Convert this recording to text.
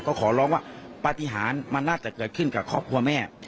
ก็ขอร้องว่าปฏิหารมันน่าจะเกิดขึ้นกับครอบครัวแม่